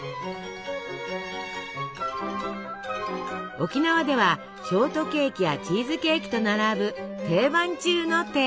沖縄ではショートケーキやチーズケーキと並ぶ定番中の定番。